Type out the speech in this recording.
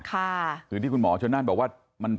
คือที่คุณหมอเชิญหน้าบอกว่า